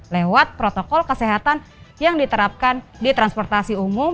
lewat protokol kesehatan yang diterapkan di transportasi umum